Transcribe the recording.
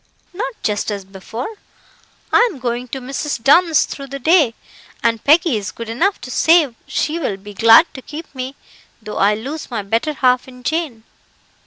"Not just as before. I am going to Mrs. Dunn's through the day, and Peggy is good enough to say she will be glad to keep me, though I lose my better half in Jane.